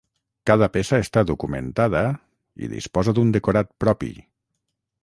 Cada peça està documentada i disposa d'un decorat propi.